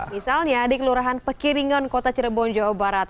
misalnya di kelurahan pekiringan kota cirebon jawa barat